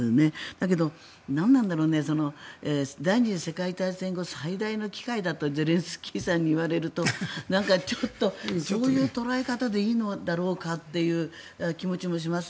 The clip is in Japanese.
だけど第２次世界大戦後最大の機会だとゼレンスキーさんに言われるとちょっと、そういう捉え方でいいのだろうかっていう気持ちもします。